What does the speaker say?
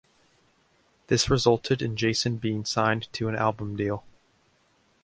This resulted in Jason being signed to an album deal.